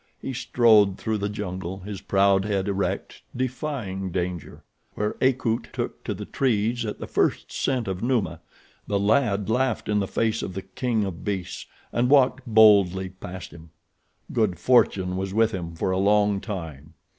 He strode through the jungle, his proud head erect, defying danger. Where Akut took to the trees at the first scent of Numa, the lad laughed in the face of the king of beasts and walked boldly past him. Good fortune was with him for a long time.